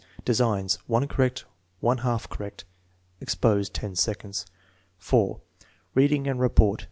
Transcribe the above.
Designs. (1 correct, 1 half correct. Expose 10 seconds.) 4. Reading and report.